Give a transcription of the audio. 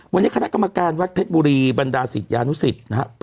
วันนี้คณะกรรมการวัดเพชรบุรีบรรดาศิษยานุสิตนะครับ